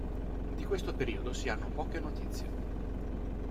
Di questo periodo si hanno poche notizie.